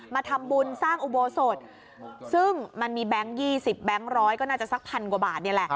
มาทำบุญสร้างอุโบสถซึ่งมันมีแบงค์๒๐แบงค์ร้อยก็น่าจะสักพันกว่าบาทนี่แหละ